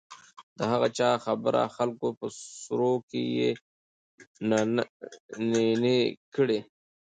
د هغه چا خبره خلکو په سروو کې يې نينې کړې .